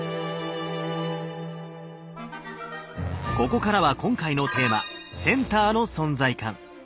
ここからは今回のテーマ「センターの存在感」。